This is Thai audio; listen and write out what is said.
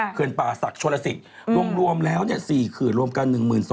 เขื่อนป่าศักดิ์โชลสิทธิ์รวมแล้ว๔เขื่อนรวมกัน๑๒๐๐